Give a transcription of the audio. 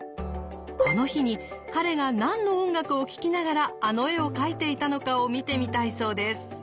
この日に彼が何の音楽を聴きながらあの絵を描いていたのかを見てみたいそうです。